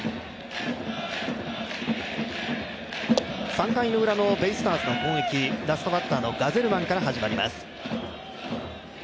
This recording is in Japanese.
３回のウラのベイスターズの攻撃ラストバッターのガゼルマンから始まります。